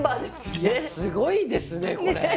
いやすごいですねこれ。